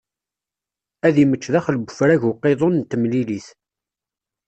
Ad immečč daxel n ufrag n uqiḍun n temlilit.